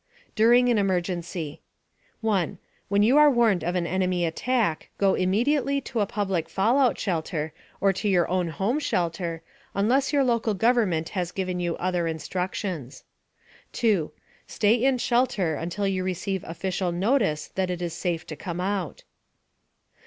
DURING AN EMERGENCY 1. When you are warned of an enemy attack, go immediately to a public fallout shelter or to your own home shelter, unless your local government has given you other instructions. 2. Stay in shelter until you receive official notice that it is safe to come out.